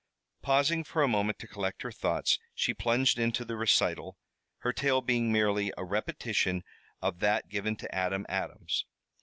Pausing for a moment to collect her thoughts, she plunged into the recital, her tale being merely a repetition of that given to Adam Adams.